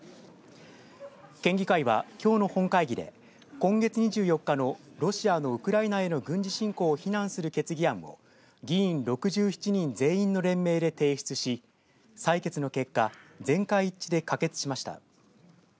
県議会はきょうの本会議で今月２４日のロシアのウクライナへの軍事侵攻を非難する決議案を議員６７人全員の連名で提出し採決の結果全会一致で可決しました。